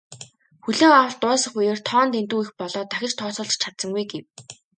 "Хүлээн авалт дуусах үеэр тоо нь дэндүү их болоод дахиж тооцоолж ч чадсангүй" гэв.